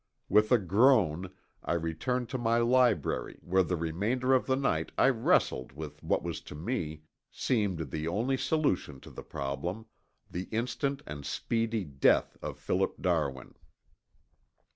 With a groan I returned to my library where the remainder of the night I wrestled with what to me seemed the only solution to the problem, the instant and speedy death of Philip Darwin.